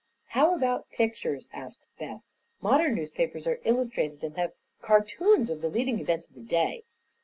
"How about pictures?" asked Beth. "Modern newspapers are illustrated, and have cartoons of the leading events of the day."